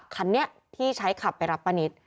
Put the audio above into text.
คันนี้ที่ใช้ขับไปรับป้านิต